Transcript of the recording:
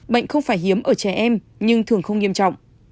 bệnh không phải hiếm ở trẻ em nhưng thường không nghiêm trọng